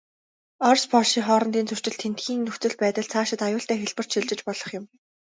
Орос, Польшийн хоорондын зөрчил, тэндхийн нөхцөл байдал, цаашид аюултай хэлбэрт шилжиж болох юм.